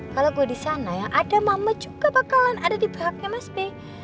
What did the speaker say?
kalo gue disana yang ada mama juga bakalan ada di belakangnya mas b